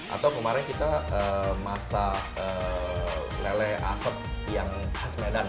atau kemarin kita masak lele asep yang khas medan